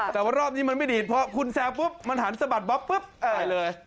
แต่ว่ารอบนี้มันไม่ดีดเพราะคุณแซวปุ๊บมันหันสะบัดบ๊อบปุ๊บอ่านเลย